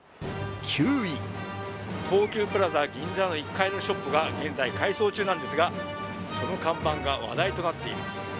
東急プラザ銀座の１階のショップが現在改装中なんですが、その看板が話題となっています。